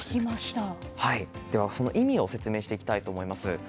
その意味を説明していきたいと思います。